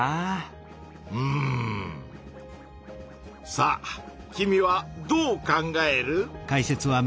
さあ君はどう考える？